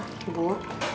sampai jumpa suil